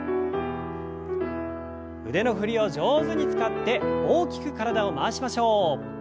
腕の振りを上手に使って大きく体を回しましょう。